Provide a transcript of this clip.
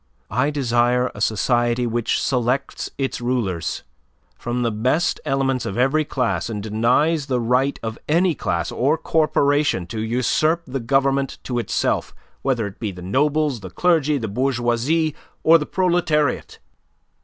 I desire a society which selects its rulers from the best elements of every class and denies the right of any class or corporation to usurp the government to itself whether it be the nobles, the clergy, the bourgeoisie, or the proletariat.